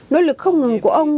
nỗ lực không ngừng của ông